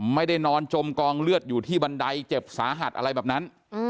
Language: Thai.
ไม่ได้นอนจมกองเลือดอยู่ที่บันไดเจ็บสาหัสอะไรแบบนั้น